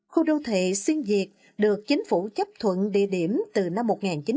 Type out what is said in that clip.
khu đô thị xuyên việt được chính phủ chấp thuận địa điểm từ năm một nghìn chín trăm chín mươi